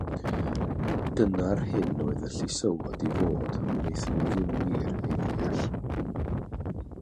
Dyna'r hyn oedd y llysywod i fod, ond wnaethon ni ddim wir ei ddeall".